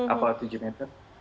atau tujuh meter